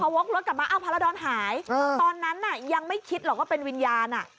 พอโฆกรถลาปลาปลาพารธอนหายตอนนั้นยังไม่คิดหรอกว่าเป็นวิญญาณ